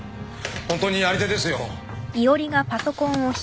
本当にやり手ですよ。